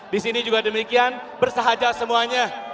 disini juga demikian bersahaja semuanya